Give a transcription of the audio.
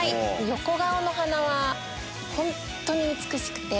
横顔の鼻は本当に美しくて。